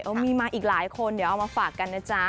มีมาอีกหลายคนเดี๋ยวเอามาฝากกันนะจ๊ะ